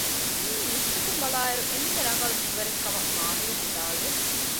މިއީ ނިސްބަތުން ބަލާއިރު އެންމެ ރަނގަޅު މިންވަރެއް ކަމަށް މާހިރުން ވިދާޅުވެ